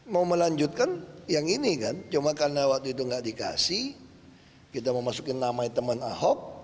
mau melanjutkan yang ini kan cuma karena waktu itu nggak dikasih kita mau masukin namanya teman ahok